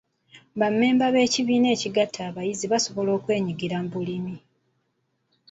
Bammemba b'ekibiina ekigatta abayizi basobola okwenyigira mu bulimi.